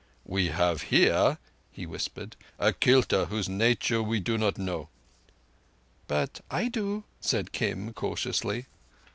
"We have here," he whispered, "a kilta whose nature we do not know." "But I do," said Kim cautiously.